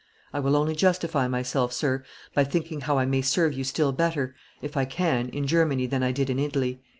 I will only justify myself, sir, by thinking how I may serve you still better, if I can, in Germany than I did in Italy.